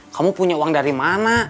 kamu punya uang dari mana